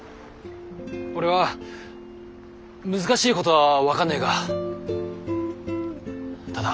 俺は難しいことは分かんねえがただ。